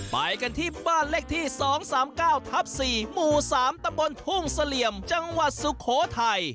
ไปกันที่บ้านเลขที่๒๓๙ทับ๔หมู่๓ตำบลทุ่งเสลี่ยมจังหวัดสุโขทัย